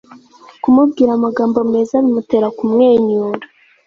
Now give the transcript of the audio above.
kumubwira amagambo meza bimutera kumwenyura